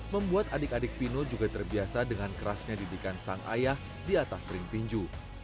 membuat adik adik pino juga terbiasa dengan kerasnya didikan sang ayah di atas ring tinju